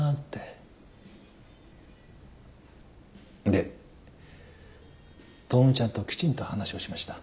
で知美ちゃんときちんと話をしました。